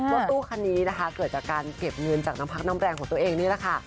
รถตู้คันนี้นะคะเกิดจากการเก็บเงินจากน้ำพักน้ำแรงของตัวเองนี่แหละค่ะ